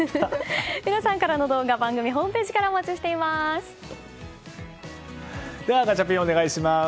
皆さんからの動画番組ホームページからではガチャピン、お願いします。